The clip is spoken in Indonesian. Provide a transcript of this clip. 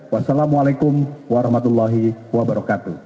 wassalamualaikum warahmatullahi wabarakatuh